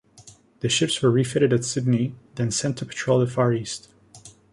The ships were refitted at Sydney, then sent to patrol the Far East.